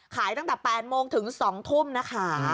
ขายตั้งแต่๘โมงถึง๒ทุ่มนะคะ